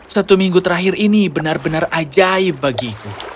satu minggu terakhir ini benar benar ajaib bagiku